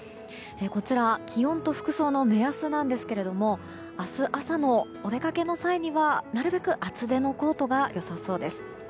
こちら、気温と服装の目安なんですけれども明日朝のお出かけの際にはなるべく厚手のコートが良さそうです。